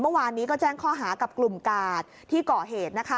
เมื่อวานนี้ก็แจ้งข้อหากับกลุ่มกาดที่ก่อเหตุนะคะ